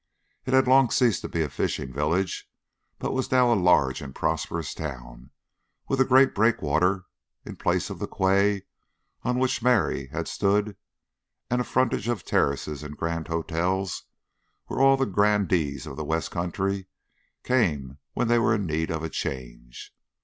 It had long ceased to be a fishing village, but was now a large and prosperous town, with a great breakwater in place of the quay on which Mary had stood, and a frontage of terraces and grand hotels where all the grandees of the west country came when they were in need of a change.